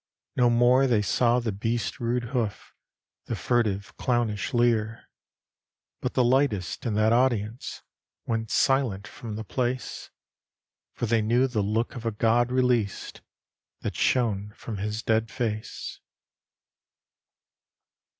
No more they saw the beast’s rude hoof, The furtive, clownish leer; But the lightest in that audience Went silent from the place, For they knew the look of a god released That shone from his dead face.